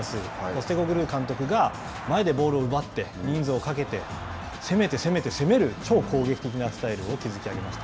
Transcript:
ボステコグルー監督が前でボールを奪って人数をかけて攻めて攻めて攻める超攻撃的なスタイルを築き上げます。